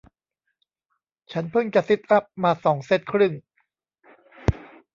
ฉันเพิ่งจะซิทอัพมาสองเซ็ทครึ่ง